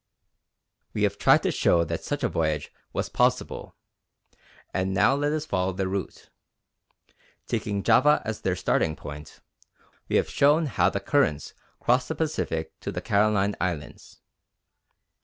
We have tried to show that such a voyage was possible, and now let us follow their route. Taking Java as their starting point, we have shown how the currents cross the Pacific to the Caroline Islands.